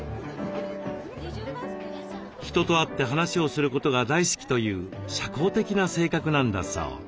人と会って話をすることが大好きという社交的な性格なんだそう。